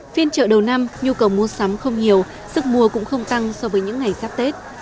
phiên chợ đầu năm nhu cầu mua sắm không nhiều sức mua cũng không tăng so với những ngày sắp tết